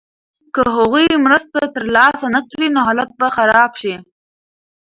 که هغوی مرسته ترلاسه نکړي نو حالت به خراب شي.